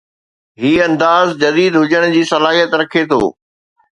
هي انداز جديد هجڻ جي صلاحيت رکي ٿو